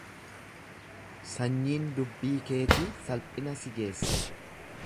Sanyiin dubbii keetii salphina si geessa.